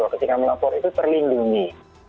ketika melapor itu terlindungi